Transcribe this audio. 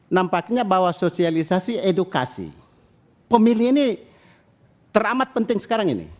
nampaknya bahwa sosialisasi edukasi pemilih ini teramat penting sekarang ini